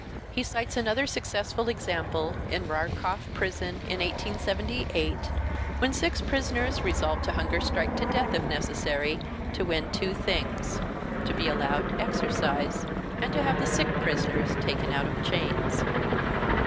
He cites another successful example in Rharkoff prison in 1878 when six prisoners resolved to hunger strike to death if necessary to win two things—to be allowed exercise and to have the sick prisoners taken out of chains.